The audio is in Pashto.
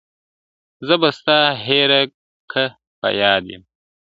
زه به ستا هېره که په یاد یم،